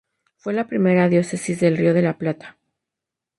Fue la primera diócesis del Río de la Plata.